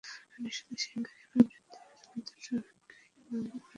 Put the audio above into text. আপনি শুধু সেই গাড়িগুলোর বিরুদ্ধে প্রচলিত ট্রাফিক আইনে মামলা করার ব্যবস্থা করুন।